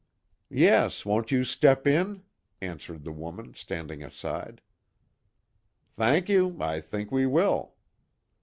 "Yes, won't you step in? answered the woman, standing aside. "Thank you. I think we will."